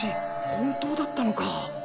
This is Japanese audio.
本当だったのか。